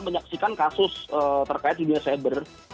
menyaksikan kasus terkait dunia cyber